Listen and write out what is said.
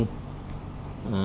cà xỉu xào khóm